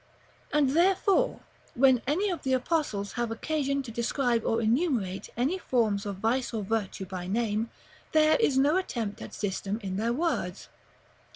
And therefore, when any of the Apostles have occasion to describe or enumerate any forms of vice or virtue by name, there is no attempt at system in their words.